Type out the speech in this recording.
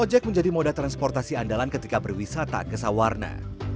ojek menjadi moda transportasi andalan ketika berwisata ke sawarna